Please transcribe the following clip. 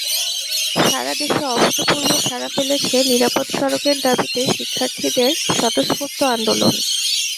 সারা দেশে অভূতপূর্ব সাড়া ফেলেছে নিরাপদ সড়কের দাবিতে শিক্ষার্থীদের স্বতঃস্ফূর্ত আন্দোলন।